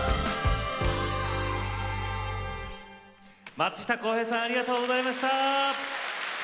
松下洸平さんありがとうございました。